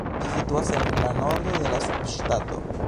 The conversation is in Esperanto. Ĝi situas en la nordo de la subŝtato.